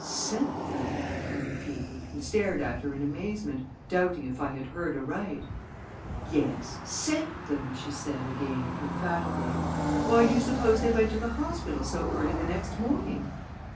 "Sent them?" I repeated, and stared at her in amazement, doubting if I had heard aright. "Yes, sent them," she said again, emphatically. "Why do you suppose they went to the hospital so early the next morning?"